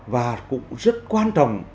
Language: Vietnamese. và cũng rất quan trọng